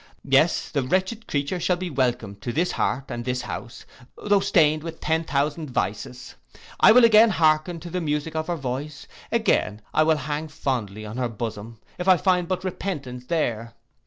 Yes, the wretched creature shall be welcome to this heart and this house, tho' stained with ten thousand vices. I will again hearken to the music of her voice, again will I hang fondly on her bosom, if I find but repentance there.